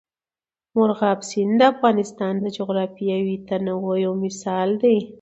مورغاب سیند د افغانستان د جغرافیوي تنوع یو مثال دی.